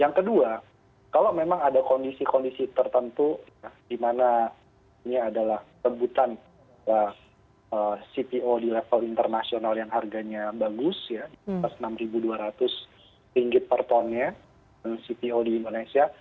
yang kedua kalau memang ada kondisi kondisi tertentu dimana ini adalah kebutan cpo di level internasional yang harganya bagus rp enam dua ratus per tonnya cpo di indonesia